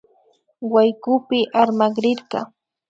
Waykupi armakrirka